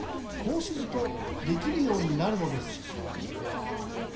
こうするとできるようになるのです。